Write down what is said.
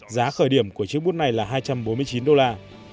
giá khởi điểm của chiếc bút này là hai trăm bốn mươi chín đô la